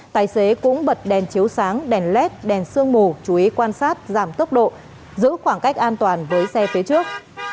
tài xế cũng bật đèn chiếu sáng đèn led đèn sương mù chú ý quan sát giảm tốc độ giữ khoảng cách an toàn với xe phía trước